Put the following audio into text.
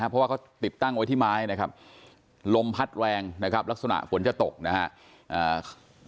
เพราะว่าเขาติดตั้งไว้ที่ไม้นะครับลมพัดแรงนะครับลักษณะฝนจะตกนะครับ